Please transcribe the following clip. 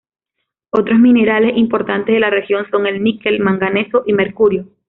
Otros minerales importantes de la región son el níquel, manganeso y mercurio.